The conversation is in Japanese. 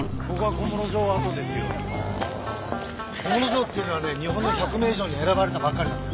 小諸城っていうのはね日本の１００名城に選ばれたばかりなんだよ。